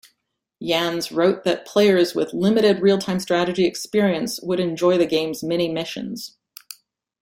Yans wrote that players with limited real-time strategy experience would enjoy the game's mini-missions.